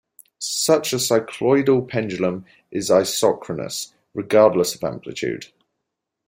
Such a cycloidal pendulum is isochronous, regardless of amplitude.